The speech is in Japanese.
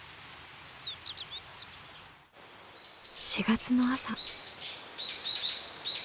４月の朝。